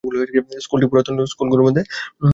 School টি ঢাকার পুরাতন স্কুল গুলোর মধ্যে একটি।